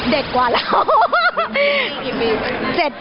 เด็กกว่าเรา